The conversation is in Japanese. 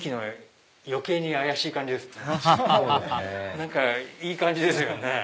何かいい感じですよね